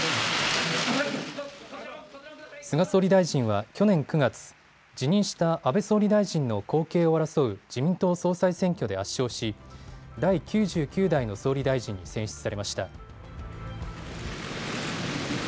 菅総理大臣は去年９月、辞任した安倍総理大臣の後継を争う自民党総裁選挙で圧勝し第９９代の総理大臣に選出されました。